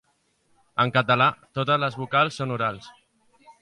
En català totes les vocals són orals.